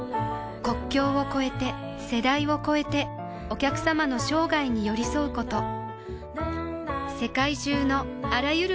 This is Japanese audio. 国境を超えて世代を超えてお客様の生涯に寄り添うこと